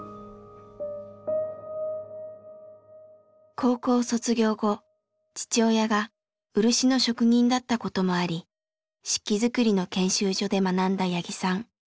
高校卒業後父親が漆の職人だったこともあり漆器作りの研修所で学んだ八木さん。